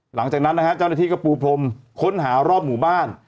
หลังจากนั้นนะฮะเจ้าหน้าที่ก็ปูพรมค้นหารอบหมู่บ้าน